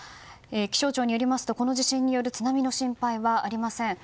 気象庁によりますとこの地震による津波の心配はありません。